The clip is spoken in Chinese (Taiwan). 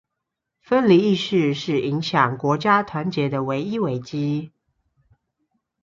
分離意識，是影響國家團結的唯一危機